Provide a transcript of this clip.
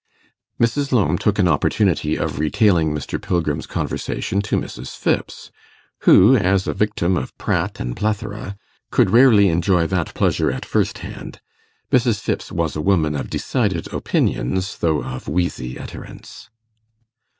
Mrs. Lowme took an opportunity of retailing Mr. Pilgrim's conversation to Mrs. Phipps, who, as a victim of Pratt and plethora, could rarely enjoy that pleasure at first hand. Mrs. Phipps was a woman of decided opinions, though of wheezy utterance.